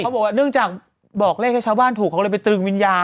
บอกว่าเนื่องจากบอกเลขให้ชาวบ้านถูกเขาก็เลยไปตรึงวิญญาณ